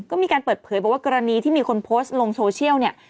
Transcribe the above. ก็มีการเปิดเผยบอกว่ากรณีที่มีคนโพสต์ลงโซเชียลเนี่ย